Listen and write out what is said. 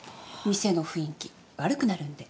店の雰囲気悪くなるんで。